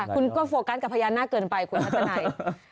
คุณก็โฟกันกับพญานุหน้าเกินไปครับคุณพรรภนาย